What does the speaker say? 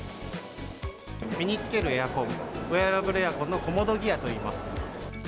身につけるエアコン、ウエアラブルエアコンの、コモドギアといいます。